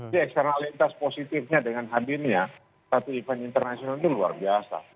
jadi eksternalitas positifnya dengan hadirnya satu event internasional itu luar biasa